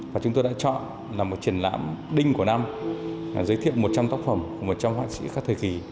và chúng tôi đã chọn là một triển lãm đinh của năm giới thiệu một trăm linh tác phẩm của một trăm linh họa sĩ khắp thời kỳ